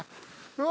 うわ！